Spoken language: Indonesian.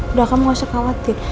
udah kamu gak usah khawatir